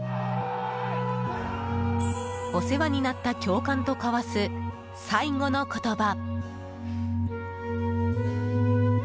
お世話になった教官と交わす最後の言葉。